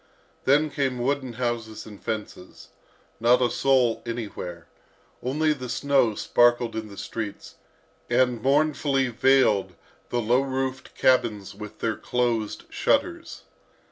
Then came wooden houses and fences. Not a soul anywhere; only the snow sparkled in the streets, and mournfully veiled the low roofed cabins with their closed shutters.